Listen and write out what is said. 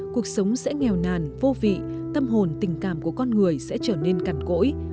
cuộc sống sẽ nghèo nàn vô vị tâm hồn tình cảm của con người sẽ trở nên cằn cỗi